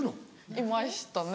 いましたね。